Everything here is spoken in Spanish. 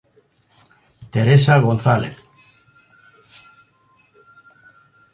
Teresa González.